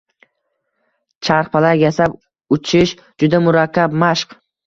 Charxpalak yasab uchish — juda murakkab mashq.